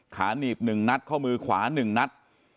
หนีบ๑นัดข้อมือขวา๑นัด